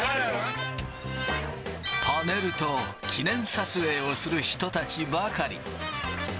パネルと記念撮影をする人たちばかり。